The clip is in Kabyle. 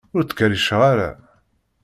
Ur k-ttkerriceɣ ara.